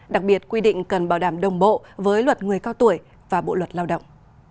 đặc biệt quy định cần bảo đảm đồng bộ với luật người cao tuổi và bộ luật lao động